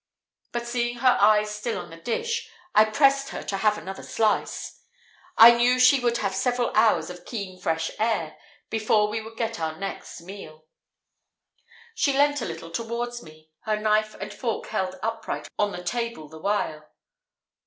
But seeing her eyes still on the dish, I pressed her to have another slice; I knew she would have several hours of keen fresh air before we could get our next meal. She leant a little towards me, her knife and fork held upright on the table the while.